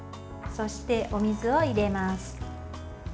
そして、お水を入れます。